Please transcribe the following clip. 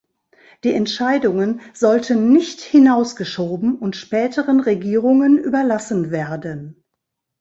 Die Entscheidungen sollten nicht hinausgeschoben und späteren Regierungen überlassen werden.